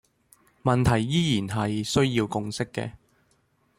問題依然係需要共識嘅